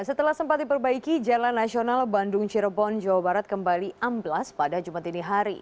setelah sempat diperbaiki jalan nasional bandung cirebon jawa barat kembali amblas pada jumat ini hari